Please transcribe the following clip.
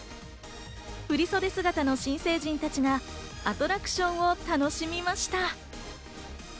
振り袖姿の新成人たちがアトラクションを楽しみました。